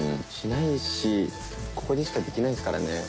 しないですしここでしかできないですからね。